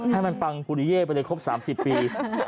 ให้มันปังปุริเย่ไปเลยครบ๓๐ปี